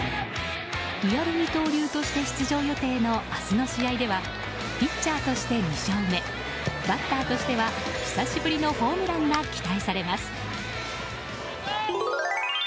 リアル二刀流として出場予定の明日の試合ではピッチャーとして２勝目バッターとしては久しぶりのホームランが期待されます。